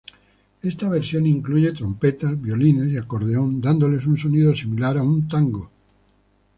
Esta versión incluye trompetas, violines y acordeón dándole un sonido similar a un tango.